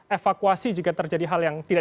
evakuasi jika terjadi hal yang tidak